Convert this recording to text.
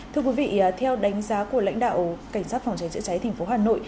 thưa quý vị theo đánh giá của lãnh đạo cảnh sát phòng cháy chữa cháy thành phố hà nội